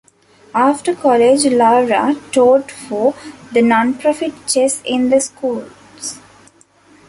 After college Laura taught for the non-profit Chess-in-the-Schools.